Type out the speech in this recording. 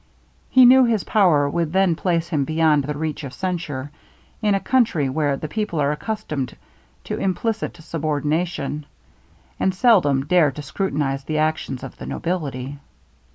He knew his power would then place him beyond the reach of censure, in a country where the people are accustomed to implicit subordination, and seldom dare to scrutinize the actions of the nobility.